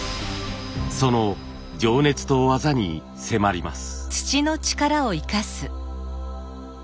その情熱と技に迫ります。